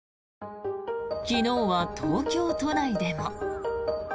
昨日は東京都内でも。